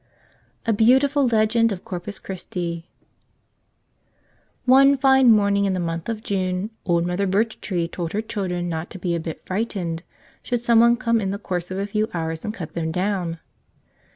87 a ISeautiful LegenO of Corpus Cfirfsti ONE FINE morning in the month of June old Mother Birchtree told her children not to be a bit frightened should some one come in the course of a few hours and cut them down.